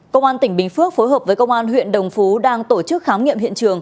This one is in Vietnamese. công an tỉnh bình phước phối hợp với công an huyện đồng phú đang tổ chức khám nghiệm hiện trường